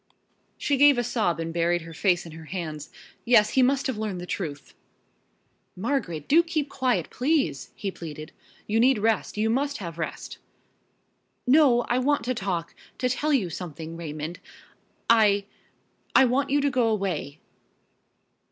She gave a sob and buried her face in her hands. "Yes, he must have learned the truth!" "Margaret, do keep quiet, please!" he pleaded. "You need rest, you must have rest." "No, I want to talk, to tell you something, Raymond. I I want you to go away."